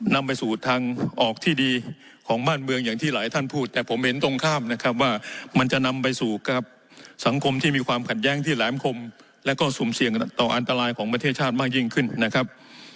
นำไปสู่ทางออกที่ดีของบ้านเมืองอย่างที่หลายท่านพูดแต่ผมเห็นตรงข้ามนะครับว่ามันจะนำไปสู่กับสังคมที่มีความขัดแย้งที่แหลมคมและก็สุ่มเสี่ยงต่ออันตรายของประเทศชาติมากยิ่งขึ้นนะครับ